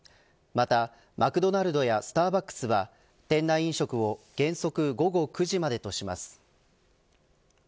またマクドナルドやスターバックスは店内飲食を原則午後９時までとします。